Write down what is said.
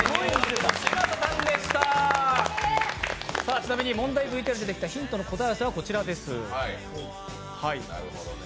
ちなみに問題ＶＴＲに出てきたヒントの答え合わせはこちらです。